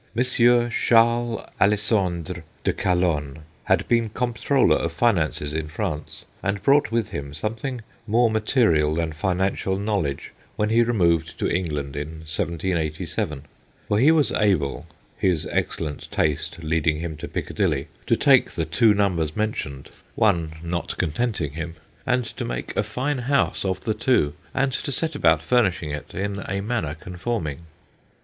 Monsieur Charles Alexandre de Calonne had been Comptroller of Finances in France, and brought with him something more material than financial knowledge when he removed to England in 1787. For he was able, his excellent taste leading him to Piccadilly, to take the two numbers mentioned, one not 250 THE GHOSTS OF PICCADILLY contenting him, and to make a fine house of the two, and to set about furnishing it in a manner conforming.